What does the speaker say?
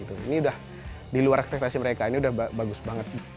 ini sudah diluar ekspektasi mereka ini sudah bagus banget